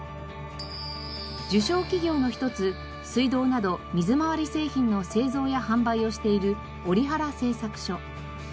受賞企業の一つ水道など水回り製品の製造や販売をしている折原製作所。